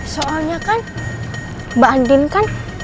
soalnya kan mbak andin kan